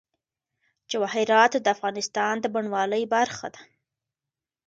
جواهرات د افغانستان د بڼوالۍ برخه ده.